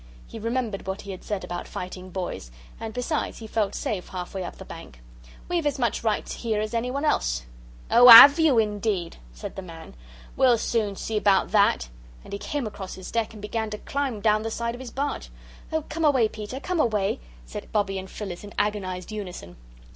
He remembered what he had said about fighting boys, and, besides, he felt safe halfway up the bank. "We've as much right here as anyone else." "Oh, 'AVE you, indeed!" said the man. "We'll soon see about that." And he came across his deck and began to climb down the side of his barge. "Oh, come away, Peter, come away!" said Bobbie and Phyllis, in agonised unison.